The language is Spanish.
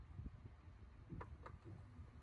Vivían en las Tierras de Tuk, en la Cuaderna del Oeste.